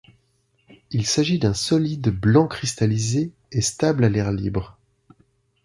Il s'agit d'un solide blanc cristallisé et stable à l'air libre.